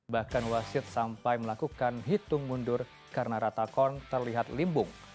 bahkan wasit sampai melakukan hitung mundur karena ratakon terlihat limbung